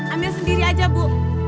ambil sendiri aja bu